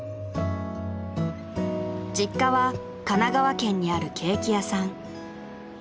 ［実家は神奈川県にあるケーキ屋さん］